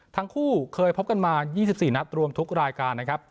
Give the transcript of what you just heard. ทั้งคู่เคยพบกันมา๒๔นัดรวมทุกรายการนะครับ